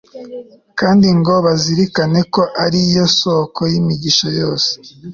kandi ngo bazirikane ko ari yo soko yimigisha yose